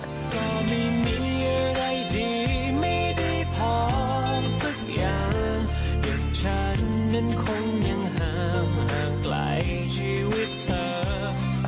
ยังห้ามห่างไกลชีวิตเธอ